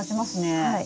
はい。